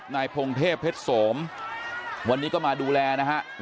นายพงเทพเพชรสมวันนี้ก็มาดูแลนะครับ